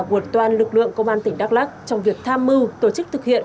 của toàn lực lượng công an tỉnh đắk lắc trong việc tham mưu tổ chức thực hiện